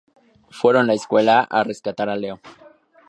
Fueron a la escuela a rescatar a Leo.